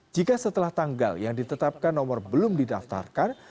jika setelah tanggal yang ditetapkan nomor belum didaftarkan